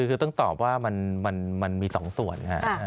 คือต้องตอบว่ามันมี๒ส่วนค่ะ